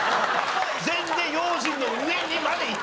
全然「用心の上に」までいってない。